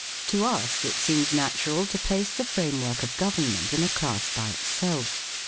To us it seems natural to place the framework of government in a class by itself.